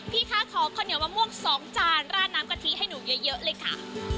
คะขอข้าวเหนียวมะม่วง๒จานราดน้ำกะทิให้หนูเยอะเลยค่ะ